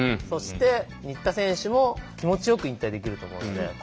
そして新田選手も気持ちよく引退できると思うので。